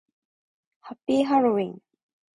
ハッピーハロウィン